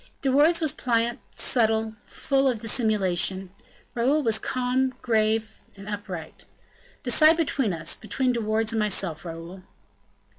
De Wardes was pliant, subtle, full of dissimulation; Raoul was calm, grave, and upright. "Decide between us between De Wardes and myself, Raoul."